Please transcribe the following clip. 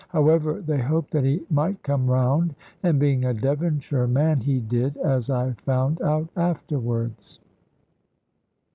However, they hoped that he might come round; and being a Devonshire man, he did, as I found out afterwards.